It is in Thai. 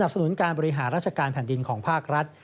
สนุนการบริหารราชการแผ่นดินของภาครัฐ